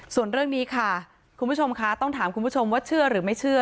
ส่วนเรื่องนี้ค่ะคุณผู้ชมค่ะต้องถามคุณผู้ชมว่าเชื่อหรือไม่เชื่อ